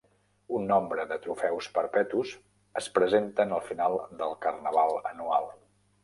Un nombre de trofeus perpetus es presenten al final del Carnaval anual.